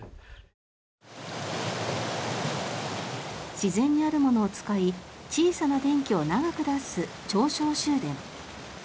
自然にあるものを使い小さな電気を長く出す超小集電。